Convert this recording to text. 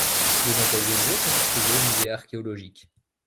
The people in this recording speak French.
De nombreux objets sont exposés au musée archéologique.